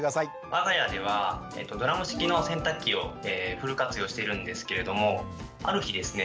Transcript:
我が家ではドラム式の洗濯機をフル活用してるんですけれどもある日ですね